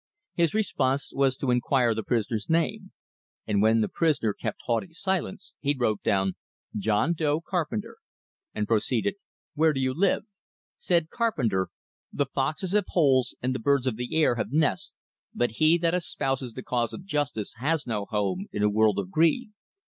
His response was to inquire the prisoner's name; and when the prisoner kept haughty silence, he wrote down "John Doe Carpenter," and proceeded: "Where do you live?" Said Carpenter: "The foxes have holes, and the birds of the air have nests, but he that espouses the cause of justice has no home in a world of greed."